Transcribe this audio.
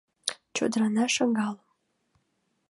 «Чодрана шагал.